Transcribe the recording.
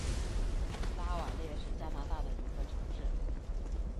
拉瓦勒是加拿大的一个城市。